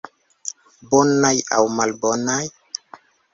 Bonaj aŭ malbonaj?